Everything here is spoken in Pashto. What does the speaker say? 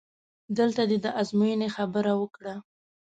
دلته دې د ازموینې خبره وکړه؟!